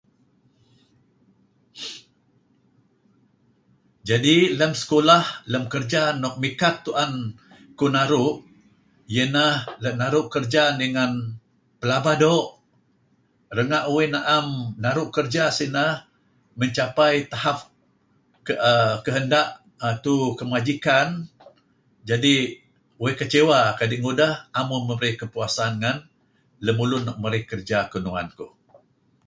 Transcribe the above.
Jadi' lem sekulah lem kerja nuk mikat tu'en kuh naru' iyeh ineh naru' kerja dih ngan pelaba doo' renga' uih na'em naru' kerja sineh mencapai tahap err kehendak tu majikan jadi uih kecewa kadi' 'am uih merey kepuasan ngen lemulun luk merey kerja kenuan kuh.